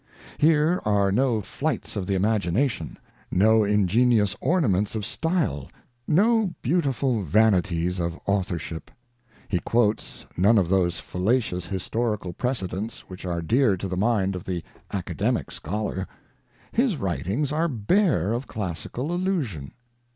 Here are no flights of the imagination, no ingenious ornaments of style, no beautiful vanities of authorship. He quotes none of those fallacious historical precedents which are dear to the mind of the academic scholar ; his writings are bare of classical allusion.